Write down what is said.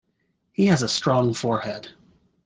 He has a strong forehead.